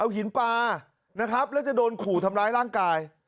หินปลานะครับแล้วจะโดนขู่ทำร้ายร่างกาย